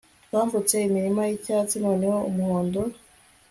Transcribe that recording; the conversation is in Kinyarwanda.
twambutse imirima yicyatsi noneho umuhondo